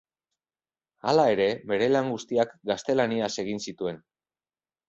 Hala ere, bere lan guztiak gaztelaniaz egin zituen.